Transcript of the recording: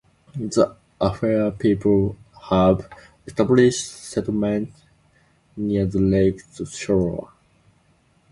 The Afar people have established a settlement near the lake's shore.